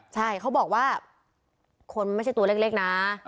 ใช่เขาบอกว่าคนไม่ใช่ตัวเล็กนะ